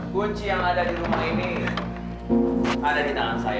kunci yang ada di rumah ini ada di tangan saya